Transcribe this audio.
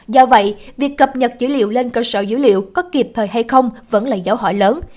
do vậy việc cập nhật dữ liệu lên cơ sở dữ liệu có kịp thời hay không vẫn là dấu hỏi lớn